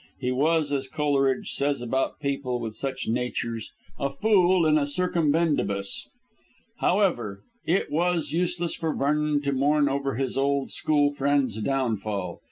He was, as Coleridge says about people with such natures, "a fool in a circumbendibus." However, it was useless for Vernon to mourn over his old school friend's downfall.